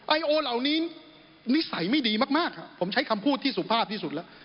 ไอโอเหล่านี้นิสัยไม่ดีมากผมใช้คำพูดที่สุภาพที่สุดแล้ว